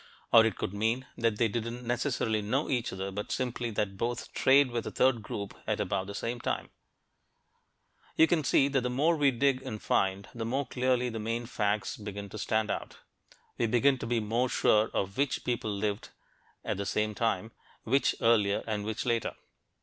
Or it could mean that they didn't necessarily know each other, but simply that both traded with a third group at about the same time. You can see that the more we dig and find, the more clearly the main facts begin to stand out. We begin to be more sure of which people lived at the same time, which earlier and which later.